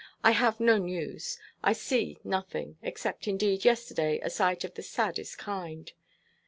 I have no news; I see nothing except, indeed, yesterday, a sight of the saddest kind."